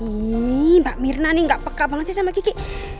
hmm mbak mirna nih nggak peka banget sih sama kiki